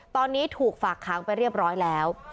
ตอนนี้ถูกฝากค้างไปเรียบร้อยแล้ว